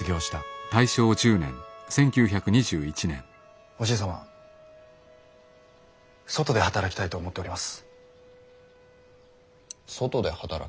横浜正金銀行で働きたいと思っております。